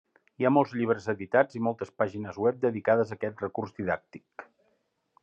Hi ha molts llibres editats i moltes pàgines web dedicades a aquest recurs didàctic.